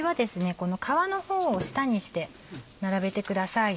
この皮の方を下にして並べてください。